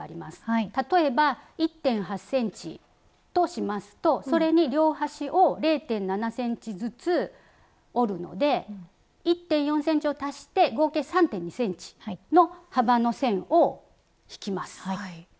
例えば１．８ｃｍとしますとそれに両端を０．７ｃｍずつ折るので１．４ｃｍを足して合計３．２ｃｍの幅の線を引きます。